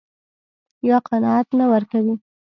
يا قناعت نه ورکوي.